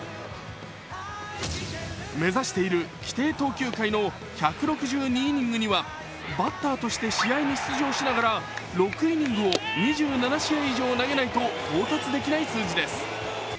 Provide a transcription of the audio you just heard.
目指している規定投球回の１６２イニングにはバッターとして試合に出場しながら６イニングを２７試合以上投げないと到達できない数字です。